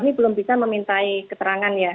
kami belum bisa memintai keterangan ya